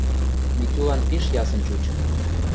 Митюлан пиш ясын чучы.